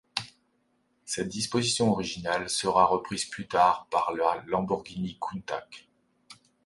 Cette disposition originale sera reprise plus tard par la Lamborghini Countach.